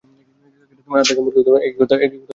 না, সে চোর না।